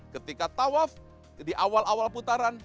ketika tawaf di awal awal putaran